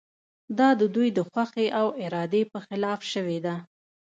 دا د دوی د خوښې او ارادې په خلاف شوې ده.